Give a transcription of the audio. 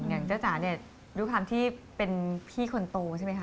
เจ้าจ๋าเนี่ยด้วยความที่เป็นพี่คนโตใช่ไหมคะ